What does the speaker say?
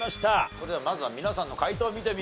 それではまずは皆さんの解答を見てみましょう。